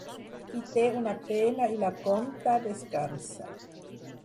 Qui té una pena i la conta, descansa.